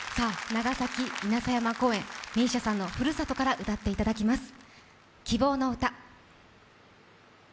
長崎・稲佐山公園、ＭＩＳＩＡさんのふるさとから歌っていただきます。